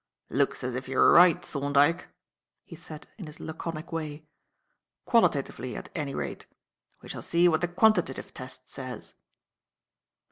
"Looks as if you were right, Thorndyke," he said in his laconic way, "qualitatively, at any rate. We shall see what the quantitative test says."